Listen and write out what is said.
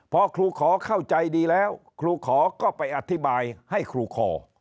พอครูขอเข้าใจดีแล้วครูขอก็ไปอธิบายให้ครูคอ